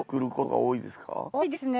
多いですね。